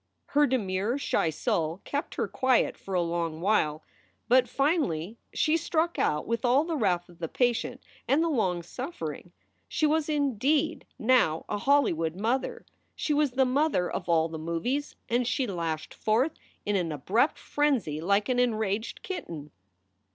Her demure, shy soul kept her quiet for a long while, but finally she struck out with all the wrath of the patient and the long suffering. She was, indeed, now a Hollywood mother. She was the mother of all the movies and she lashed forth in an abrupt frenzy like an enraged kitten.